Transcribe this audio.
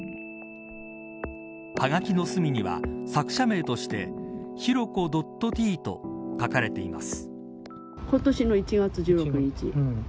はがきの隅には、作者名としてＨｉｒｏｋｏ．Ｔと書かれています。